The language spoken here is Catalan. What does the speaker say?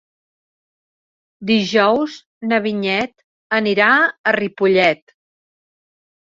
Dijous na Vinyet anirà a Ripollet.